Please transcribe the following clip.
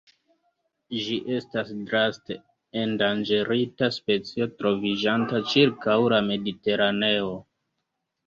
Ĝi estas draste endanĝerita specio troviĝanta ĉirkaŭ la Mediteraneo.